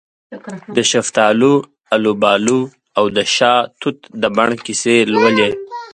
دشفتالو، الوبالواودشاه توت د بڼ کیسې لولې